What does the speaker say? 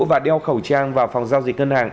và đeo khẩu trang vào phòng giao dịch ngân hàng